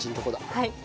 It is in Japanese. はい。